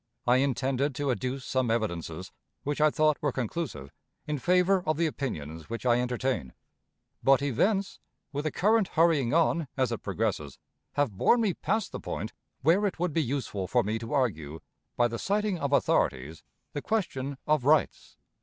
I intended to adduce some evidences, which I thought were conclusive, in favor of the opinions which I entertain; but events, with a current hurrying on as it progresses, have borne me past the point where it would be useful for me to argue, by the citing of authorities, the question of rights.